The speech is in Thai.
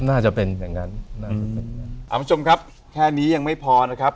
น่าจะเป็นอย่างงั้นน่าจะเป็นอย่างงั้นอืมถามผู้ชมครับแค่นี้ยังไม่พอนะครับ